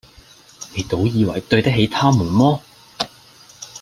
你倒以爲對得起他們麼？”